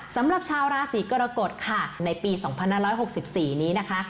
สำหรับชาวราศีกรกฎค่ะในปี๒๕๖๔นี้นะคะ